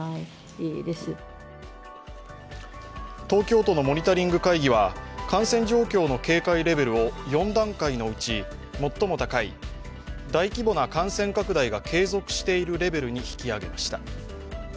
東京都のモニタリング会議は感染状況の警戒レベルを４段階のうち最も高い、大規模な感染拡大が継続しているレベルに引き上げました。